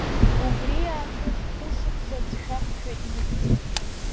Убри аахыс хәышықәса ӡшәахшәа инықәҵит.